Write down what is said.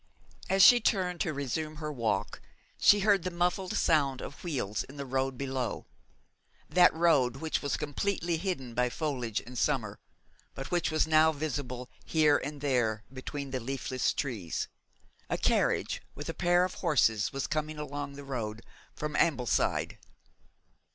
As she turned to resume her walk she heard the muffled sound of wheels in the road below, that road which was completely hidden by foliage in summer, but which was now visible here and there between the leafless trees. A carriage with a pair of horses was coming along the road from Ambleside.